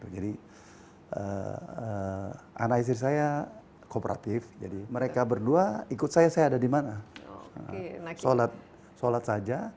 analisir saya kooperatif jadi mereka berdua ikut saya saya ada di mana sholat saja